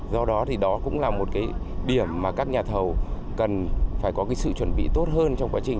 do đó đó cũng là một điểm mà các nhà thầu cần phải có sự chuẩn bị tốt hơn trong quá trình